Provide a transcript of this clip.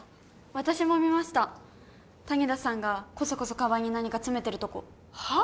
私も見ました谷田さんがコソコソカバンに何か詰めてるとこはあ！？